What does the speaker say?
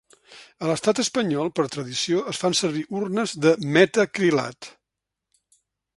A l’estat espanyol, per tradició, es fan servir urnes de metacrilat.